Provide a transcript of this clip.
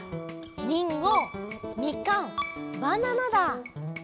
「りんご」「みかん」「ばなな」だ。